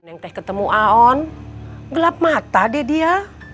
neng teh ketemu aon gelap mata deh dia